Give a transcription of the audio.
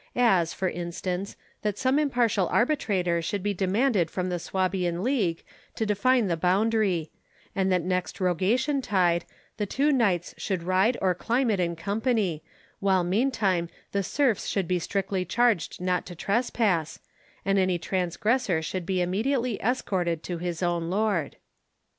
As, for instance, that some impartial arbitrator should be demanded from the Swabian League to define the boundary; and that next Rogation tide the two knights should ride or climb it in company, while meantime the serfs should be strictly charged not to trespass, and any transgressor should be immediately escorted to his own lord.